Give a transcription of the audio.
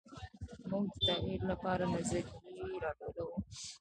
موږ د تغیر لپاره نظریې راټولوو.